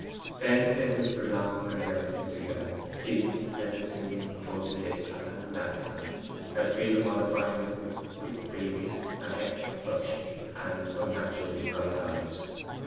Then they whispered long and earnestly together; Stephen hesitatingly proposing this and that plan, Elfride modifying them, with quick breathings, and hectic flush, and unnaturally bright eyes.